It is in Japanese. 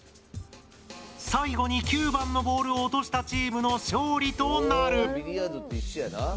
最後に９番のボールを落としたチームの勝利となる。